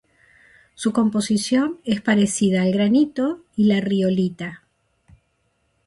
Su composición es parecida al granito y la riolita.